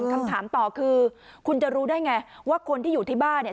คำถามต่อคือคุณจะรู้ได้ไงว่าคนที่อยู่ที่บ้านเนี่ย